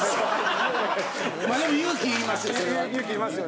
まあでも勇気いりますよ。